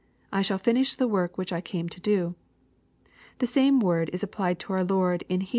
— I shall finish the work which I came to do." The same word is appUed to our Lord in Heb.